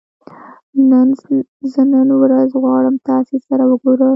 زه نن ورځ غواړم تاسې سره وګورم